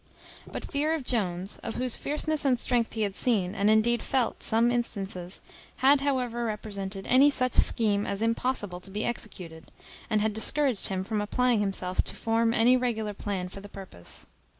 But fear of Jones, of whose fierceness and strength he had seen, and indeed felt, some instances, had however represented any such scheme as impossible to be executed, and had discouraged him from applying himself to form any regular plan for the purpose.